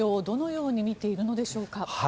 どのように見ているのでしょうか。